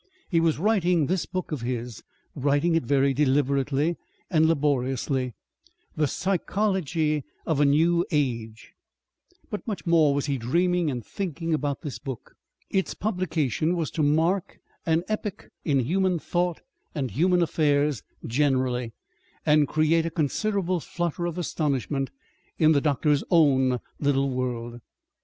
He was writing this book of his, writing it very deliberately and laboriously, THE PSYCHOLOGY OF A NEW AGE, but much more was he dreaming and thinking about this book. Its publication was to mark an epoch in human thought and human affairs generally, and create a considerable flutter of astonishment in the doctor's own little world.